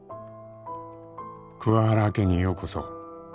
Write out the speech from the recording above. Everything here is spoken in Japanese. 「桑原家にようこそ」